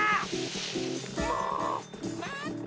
もうまって！